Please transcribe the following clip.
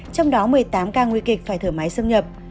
trong đó một mươi tám ca nguy kịch phải thở máy xâm nhập